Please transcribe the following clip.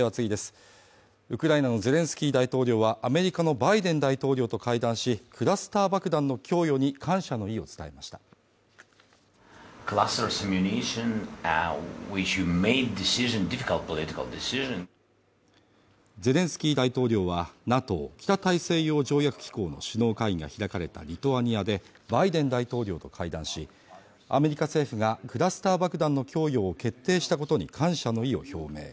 ウクライナのゼレンスキー大統領はアメリカのバイデン大統領と会談し、クラスター爆弾の供与に感謝の意を伝えましたゼレンスキー大統領はＮＡＴＯ＝北大西洋条約機構の首脳会議が開かれたリトアニアでバイデン大統領と会談しアメリカ政府がクラスター爆弾の供与を決定したことに感謝の意を表明。